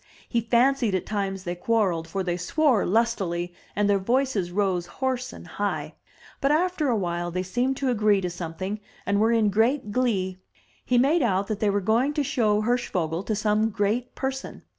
He fancied at times they quarrelled, for they swore lustily and their voices rose hoarse and high; but after a while they seemed to agree to something, and were in great glee. He made out that they were going to show Hirschvogel to some great person.